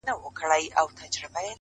• هره ورځ به درلېږي سل رحمتونه,